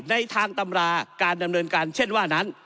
ในทางตำราการดำเนินการเช่นว่านั้น